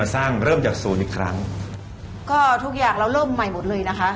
อ่าแล้วเริ่มต้นจากศูนย์ใหม่อีกครั้ง